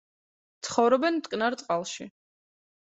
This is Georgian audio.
ცხოვრობენ მტკნარ წყალში.